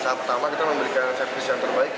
saat pertama kita memberikan service yang terbaik